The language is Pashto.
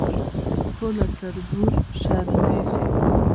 خو له تربور شرمېږي.